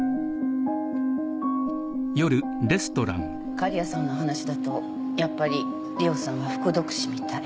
狩矢さんの話だとやっぱり里緒さんは服毒死みたい。